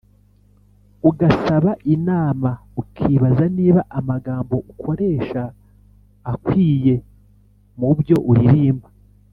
ugasaba inama. ukibaza niba amagambo ukoresha akwiye mu byo uririmba.